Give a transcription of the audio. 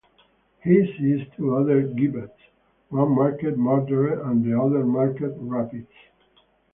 He sees two other gibbets, one marked "Murderer" and the other marked "Rapist".